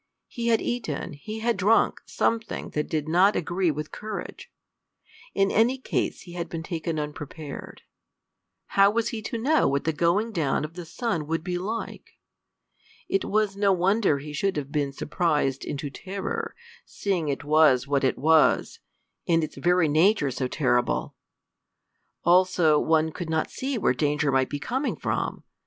He had eaten, he had drunk, something that did not agree with courage. In any case he had been taken unprepared. How was he to know what the going down of the sun would be like? It was no wonder he should have been surprised into terror, seeing it was what it was in its very nature so terrible! Also, one could not see where danger might be coming from!